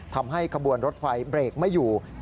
ทำให้ขบวนรถไฟเบรกไม่อยู่